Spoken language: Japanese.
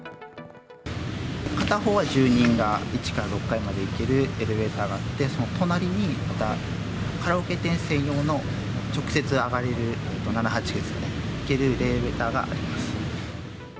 片方は住人が１から６階まで行けるエレベーターがあって、その隣に、またカラオケ店専用の、直接上がれる、７、８ですよね、行けるエレベーターがあります。